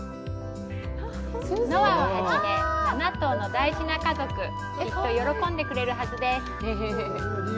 ノアをはじめ、７頭の大事な家族きっと喜んでくれるはずです。